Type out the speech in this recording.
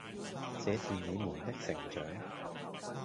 這是你們的成長